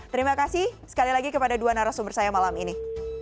terima kasih sekali lagi kepada dua narasumber saya malam ini